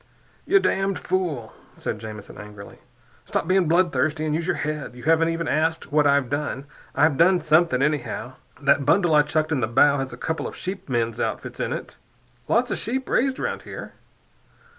"You damned fool!" said Jamison angrily. "Stop being bloodthirsty and use your head! You haven't even asked what I've done! I've done something, anyhow. That bundle I chucked in the bow has a couple of sheepmen's outfits in it. Lots of sheep raised around here.